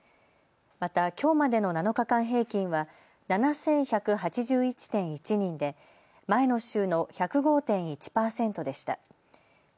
また、きょうまでの７日間平均は７１８１．１人で前の週の１０５．１％でした。